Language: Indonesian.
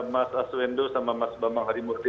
mas aswendo sama mas bambang harimurti